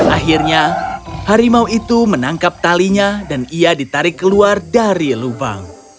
akhirnya harimau itu menangkap talinya dan ia ditarik keluar dari lubang